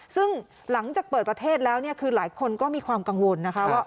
ซึ่งหลังจากเปิดประเทศแล้วเนี่ยคือหลายคนก็มีความกังวลนะคะว่า